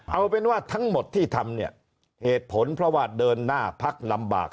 เอาเป็นว่าทั้งหมดที่ทำเนี่ยเหตุผลเพราะว่าเดินหน้าพักลำบาก